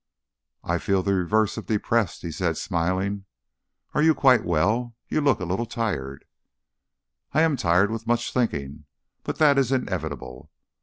"I feel the reverse of depressed," he said, smiling. "Are you quite well? You look a little tired." "I am tired with much thinking; but that is inevitable.